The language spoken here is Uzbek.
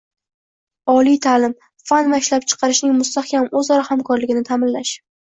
oliy ta’lim, fan va ishlab chiqarishning mustahkam o`zaro hamkorligini ta’minlash;